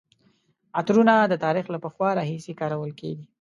عطرونه د تاریخ له پخوا راهیسې کارول کیږي.